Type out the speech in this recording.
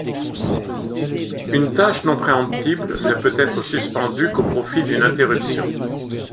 Une tâche non préemptible ne peut être suspendue qu'au profit d'une interruption.